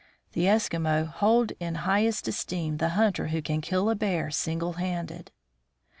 The Eskimos hold in highest esteem the hunter who can kill a bear single handed.